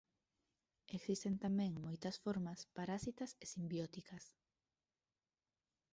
Existen tamén moitas formas parasitas e simbióticas.